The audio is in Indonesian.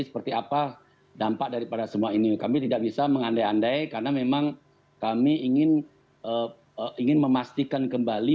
seperti apa dampak daripada semua ini kami tidak bisa mengandai andai karena memang kami ingin ingin memastikan kembali